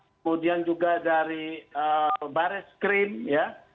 kemudian juga dari bar reskrim ya